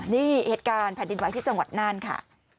นี่เหตุการณ์แผ่นดินไหวที่จังหวัดน่านค่ะ